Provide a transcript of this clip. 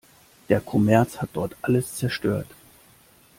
Der Kommerz hat dort alles zerstört.